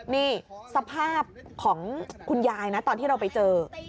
นี่สภาพของคุณยายนะตอนที่เราไปเจอ